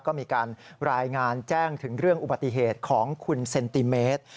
ก็มีการรายงานแจ้งถึงเรื่องอุบัติเหตุของคุณเซนติเมตร